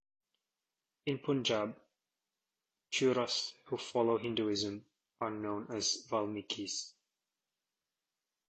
In Punjab, Chuhras who follow Hinduism are known as Valmikis.